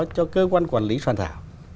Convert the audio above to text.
cho cơ quan quản lý soàn thảo